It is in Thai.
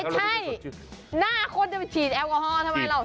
ไม่ใช่หน้าคนจะฉีดแอลกอฮอล์ทำไมหรอก